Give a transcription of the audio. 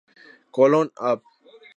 Colón; Av.